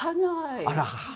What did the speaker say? あら！